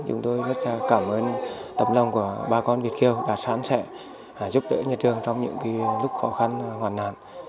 chúng tôi rất cảm ơn tầm lòng của bà con việt kiều đã sẵn sẻ giúp đỡ nhà trường trong những lúc khó khăn hoàn nạn